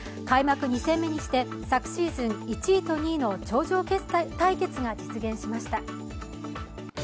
開幕２戦目にして昨シーズン１位と２位の頂上対決が実現しました。